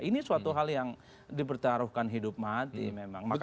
ini suatu hal yang dipertaruhkan hidup mati memang